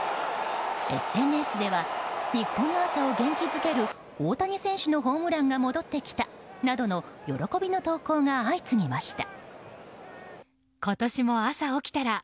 ＳＮＳでは日本の朝を元気づける大谷選手のホームランが戻ってきたなどの喜びの投稿が相次ぎました。